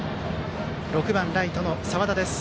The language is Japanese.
６番ライトの澤田です。